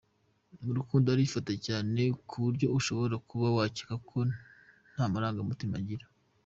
Mu rukundo arifata cyane, ku buryo ushobora kuba wakeka ko nta marangamutima agira.